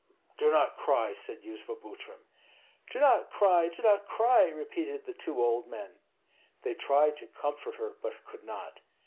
"Do not cry," said Yuzva Butrym. "Do not cry, do not cry," repeated the two old men. They tried to comfort her, but could not.